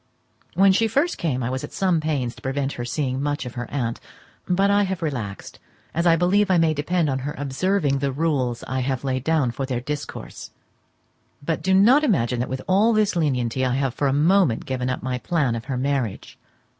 When she first came I was at some pains to prevent her seeing much of her aunt; but I have relaxed, as I believe I may depend on her observing the rules I have laid down for their discourse. But do not imagine that with all this lenity I have for a moment given up my plan of her marriage.